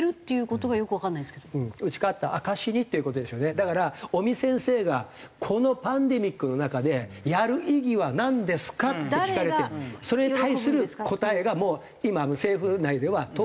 だから尾身先生が「このパンデミックの中でやる意義はなんですか？」って聞かれてそれに対する答えがもう今の政府内では統一見解になってます。